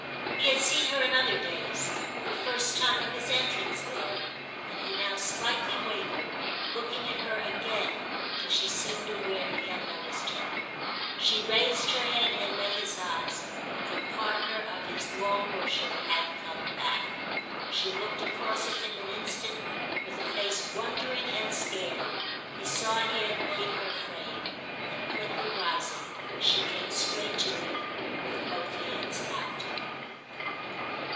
He had seen her in other days—the first time of his entrance there, and he now slightly wavered, looking at her again till she seemed aware he had noticed her. She raised her head and met his eyes: the partner of his long worship had come back. She looked across at him an instant with a face wondering and scared; he saw he had made her afraid. Then quickly rising she came straight to him with both hands out.